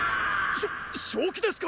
しょ正気ですか